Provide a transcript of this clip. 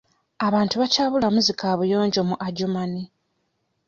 Abantu bakyabulamu zi kaabuyonjo mu Adjumani.